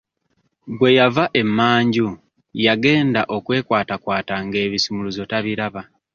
Bwe yava emmanju yagenda okwekwatakwata nga ebisumuluzo tabiraba.